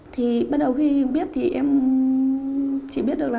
thì bắt đầu khi biết thì em chỉ biết được là